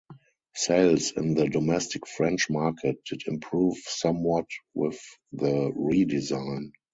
Sales in the domestic French market did improve somewhat with the redesign.